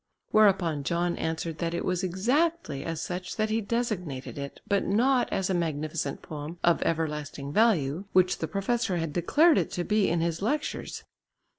Whereupon John answered that it was exactly as such that he designated it, but not as a magnificent poem of everlasting value, which the professor had declared it to be in his lectures.